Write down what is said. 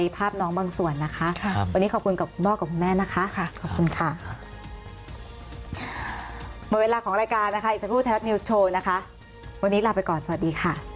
โปรดติดตามตอนต่อไป